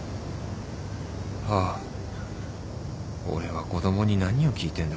はぁ俺は子供に何を聞いてんだか